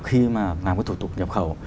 thủ tục nhập khẩu